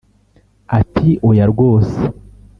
Ati “ Oya rwose